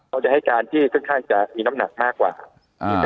เขาจะให้การที่ค่อนข้างจะมีน้ำหนักมากกว่า